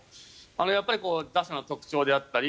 やっぱり打者の特徴だったり